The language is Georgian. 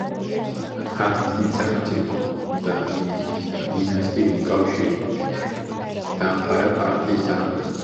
ამ მიზნით სახელმწიფო და დინასტიური კავშირი დაამყარა პართიის სამეფოსთან.